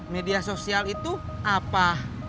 media sosial itu apa